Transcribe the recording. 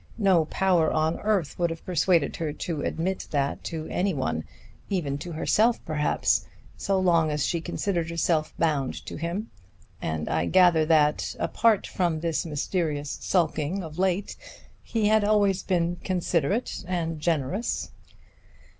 No power on earth would have persuaded her to admit that to any one even to herself, perhaps so long as she considered herself bound to him. And I gather that, apart from this mysterious sulking of late, he had always been considerate and generous."